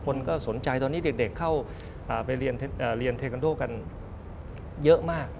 คนก็สนใจตอนนี้เด็กเข้าไปเรียนเทคอนโดกันเยอะมาก